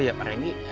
oh ya pak remi